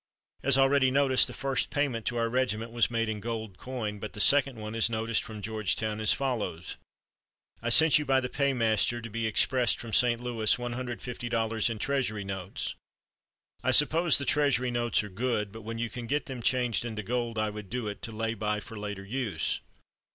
As already noticed, the first payment to our regiment was made in gold coin, but the second one is noticed from Georgetown as follows: "I sent you by the Paymaster to be expressed from St. Louis $150 in Treasury Notes. I suppose the Treasury Notes are good, but when you can get them changed into gold I would do it, to lay by for later use."